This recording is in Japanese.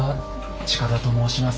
近田と申します。